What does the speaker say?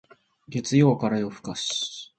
月曜から夜更かし